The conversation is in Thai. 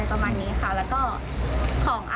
ของพวกสภาชะอะไรประมาณนี้ค่ะ